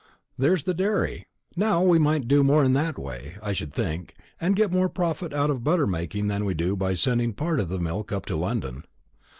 There's the dairy, now; we might do more in that way, I should think, and get more profit out of butter making than we do by sending part of the milk up to London.